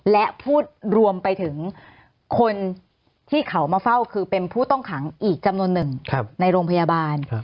และพูดรวมไปถึงคนที่เขามาเฝ้าคือเป็นผู้ต้องขังอีกจำนวนหนึ่งในโรงพยาบาล